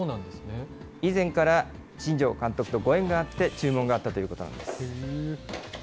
以前から新庄監督とご縁があって、注文があったということなんです。